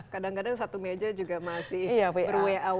kadang kadang satu meja juga masih ber wa